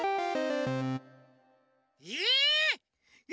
え！？